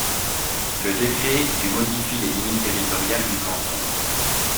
Le décret du modifie les limites territoriales du canton.